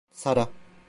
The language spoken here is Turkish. Sara.